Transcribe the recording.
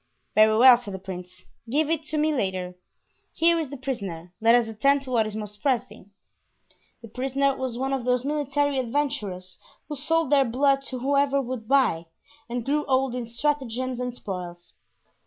"Very well," said the prince; "give it to me later. Here is the prisoner; let us attend to what is most pressing." The prisoner was one of those military adventurers who sold their blood to whoever would buy, and grew old in stratagems and spoils.